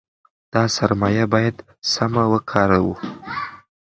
دا سرمایه باید سمه وکاروو.